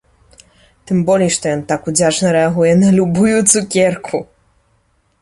Тым болей што ён так удзячна рэагуе на любую цукерку!